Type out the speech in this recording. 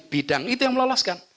bidang itu yang meloloskan